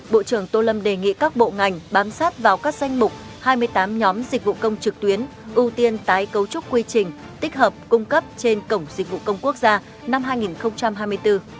bộ trưởng tô lâm đề nghị các bộ ngành bám sát vào các danh mục hai mươi tám nhóm dịch vụ công trực tuyến ưu tiên tái cấu trúc quy trình tích hợp cung cấp trên cổng dịch vụ công quốc gia năm hai nghìn hai mươi bốn